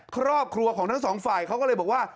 ครอบครัวของทั้งสองฝ่ายเขาก็เลยบอกว่า